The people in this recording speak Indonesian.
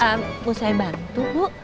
eh mau saya bantu bu